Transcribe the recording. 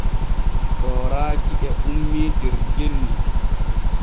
Tooraaji e ummii der genni.